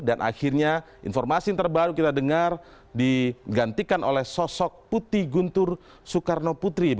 dan akhirnya informasi terbaru kita dengar digantikan oleh sosok putih guntur soekarno putri